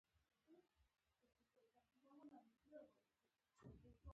اوس دلته د شپې داسې ډولي څراغونه ځلیږي.